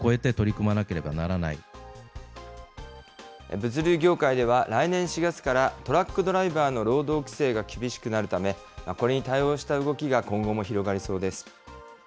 物流業界では、来年４月からトラックドライバーの労働規制が厳しくなるため、これに対応した動きが今後も広がりそうです。